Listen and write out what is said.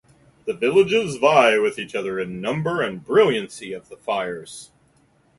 The villages vie with each other in the number and brilliancy of the fires.